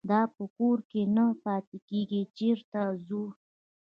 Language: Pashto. دا په کور کې نه پاتېږي چېرته ځو.